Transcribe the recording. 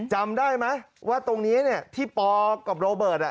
จำได้ไหมว่าตรงนี้เนี่ยที่ปกับโรเบิร์ต